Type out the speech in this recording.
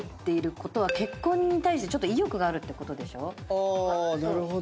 あなるほど。